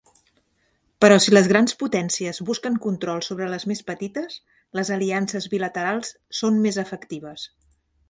Però si les grans potències busquen control sobre les més petites, les aliances bilaterals són més efectives.